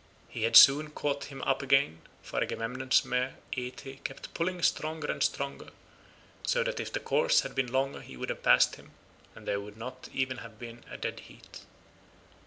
He had soon caught him up again, for Agamemnon's mare Aethe kept pulling stronger and stronger, so that if the course had been longer he would have passed him, and there would not even have been a dead heat.